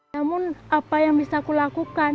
namun apa yang bisa kulakukan